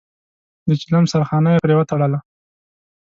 د چيلم سرخانه يې پرې وتړله.